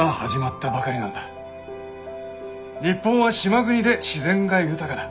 日本は島国で自然が豊かだ。